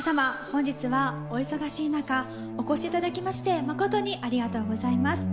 本日はお忙しい中お越しいただきまして誠にありがとうございます。